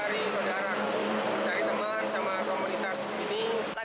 kita memang mencari saudara mencari teman sama komunitas ini